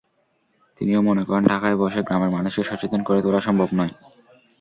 তিনিও মনে করেন, ঢাকায় বসে গ্রামের মানুষকে সচেতন করে তোলা সম্ভব নয়।